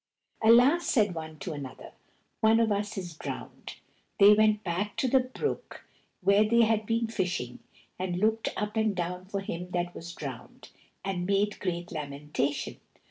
"Alas!" said one to another, "one of us is drowned." They went back to the brook where they had been fishing, and looked up and down for him that was drowned, and made great lamentation.